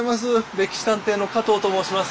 「歴史探偵」の加藤と申します。